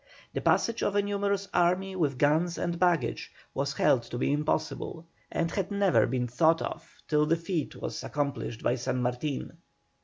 The passage of a numerous army with guns and baggage was held to be impossible and had never been thought of till the feat was accomplished by San Martin.